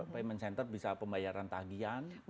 payment center bisa pembayaran tagihan